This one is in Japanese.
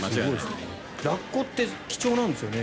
ラッコって貴重なんですよね。